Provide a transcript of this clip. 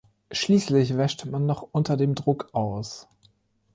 Schließlich wäscht man noch unter dem Druck aus.